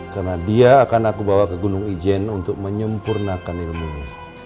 karena dia akan aku bawa ke gunung ijen untuk menyempurnakan ilmunya